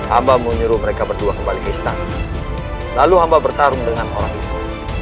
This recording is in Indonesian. hamba menyuruh mereka berdua kembali ke istana lalu hamba bertarung dengan orang itu